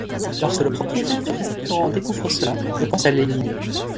Lorsque le propriétaire du restaurant découvre cela, on pense à l'éliminer.